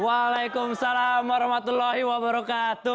waalaikumsalam warahmatullahi wabarakatuh